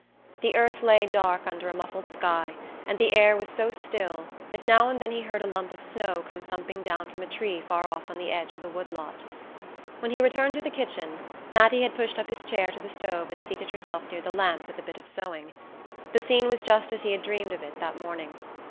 The earth lay dark under a muffled sky and the air was so still that now and then he heard a lump of snow come thumping down from a tree far off on the edge of the wood lot. When he returned to the kitchen Mattie had pushed up his chair to the stove and seated herself near the lamp with a bit of sewing. The scene was just as he had dreamed of it that morning.